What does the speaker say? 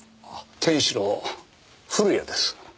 店主の古谷です。